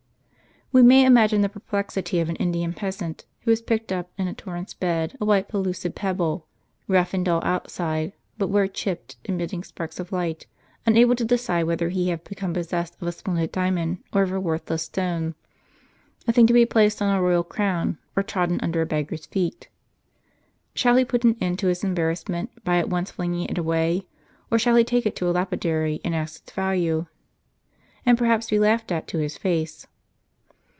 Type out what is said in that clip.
* We may imagine the perplexity of an Indian peasant who has picked up in a torrent's bed a white pellucid pebble, rough and dull outside, but where chipped emitting sparks of light ; unable to decide whether he have become possessed of a splendid diamond, or of a worthless stone, a thing to be placed on a royal crown, or trodden under a beggar's feet. Shall he put an end to his embarrassment by at once flinging it away, or shall he take it to a lapidary, ask its value, and perhaps be laughed at to his face